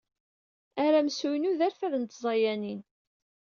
Aramsu-inu d arfad n tẓayanin.